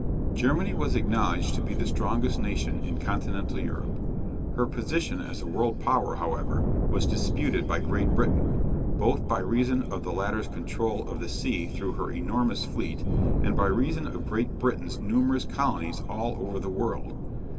Germany was acknowledged to be the strongest nation in continental Europe. Her position as a world power, however, was disputed by Great Britain, both by reason of the latter's control of the sea through her enormous fleet, and by reason of Great Britain's numerous colonies all over the world.